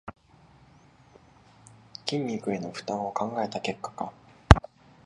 筋肉への負担を考えた結果か